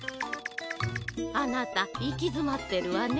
あなたいきづまってるわね。